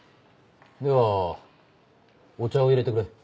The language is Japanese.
ではお茶を入れてくれ。